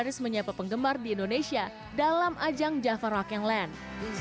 sebagai satu penyampa penggemar di indonesia dalam ajang java rocking land